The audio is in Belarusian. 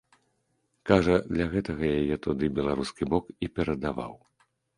Кажа, для гэтага яе туды беларускі бок і перадаваў.